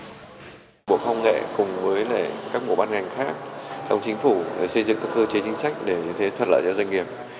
bộ khoa học và công nghệ cùng với các bộ ban ngành khác thông chính phủ xây dựng các cơ chế chính sách để thuật lợi cho doanh nghiệp